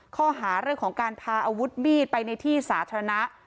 ข้อหาเรื่องของการพาอาวุธมีดไปในที่สาธารณะ